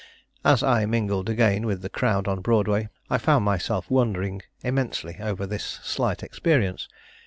As I mingled again with the crowd on Broadway, I found myself wondering immensely over this slight experience.